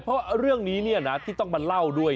เพราะเรื่องนี้ที่ต้องมาเล่าด้วย